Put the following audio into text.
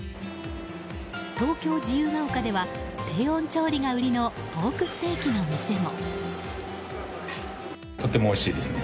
東京・自由が丘では低温調理が売りのポークステーキの店も。